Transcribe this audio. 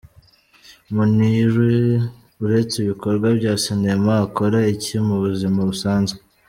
Muniru uretse ibikorwa bya sinema akora iki mu buzima busanzwe?.